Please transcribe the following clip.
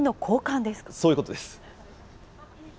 そういうことです。